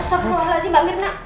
astaghfirullahaladzim mbak mirna